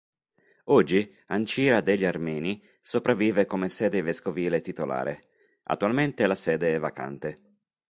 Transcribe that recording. Oggi Ancira degli Armeni sopravvive come sede vescovile titolare; attualmente la sede è vacante.